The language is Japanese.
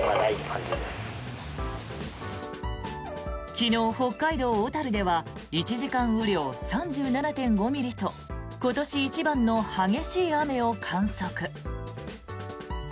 昨日、北海道小樽では１時間雨量３７．５ミリと今年一番の激しい雨を観測。